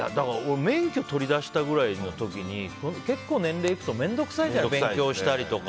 免許取りだしたくらいの時に結構年齢行くと面倒くさいじゃないですか、勉強したりとか。